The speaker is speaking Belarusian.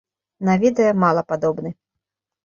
На відэа мала падобны.